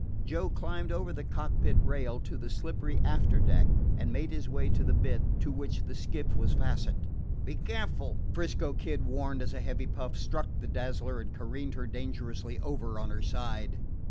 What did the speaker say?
Joe climbed over the cockpit rail to the slippery after deck, and made his way to the bitt to which the skiff was fastened. "Be careful," 'Frisco Kid warned, as a heavy puff struck the Dazzler and careened her dangerously over on her side.